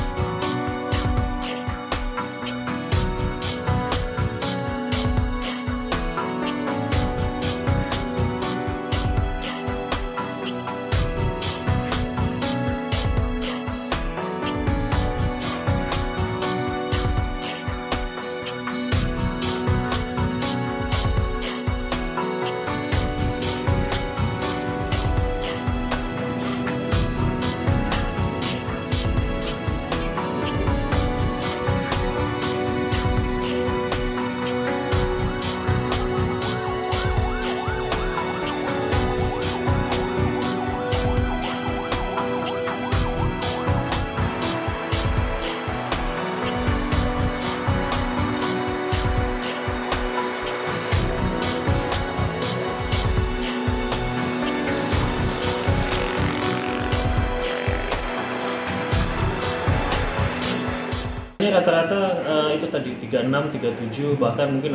jangan lupa like share dan subscribe channel ini untuk dapat info terbaru dari kami